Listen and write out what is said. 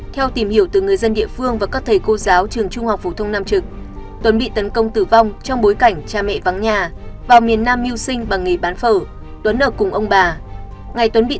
theo tìm hiểu từ người dân địa phương và các thầy cô giáo trường trung học phổ thông nam trực tuấn bị tấn công tử vong trong bối cảnh cha mẹ vắng nhà vào miền nam mưu sinh bằng nghề bán phở tuấn ở cùng ông bà